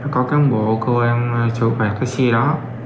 có cán bộ cô em sử phạt cái xe đó